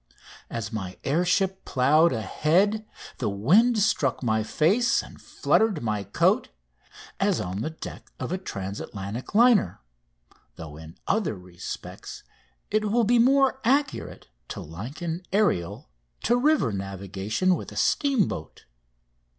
As my air ship ploughed ahead the wind struck my face and fluttered my coat, as on the deck of a transatlantic liner, though in other respects it will be more accurate to liken aerial to river navigation with a steamboat.